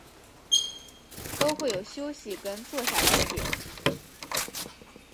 都会有休息跟坐下来的点